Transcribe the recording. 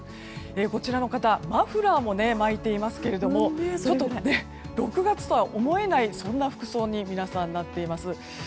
こちらの方はマフラーも巻いていますが６月とは思えないそんな服装に皆さんなっています。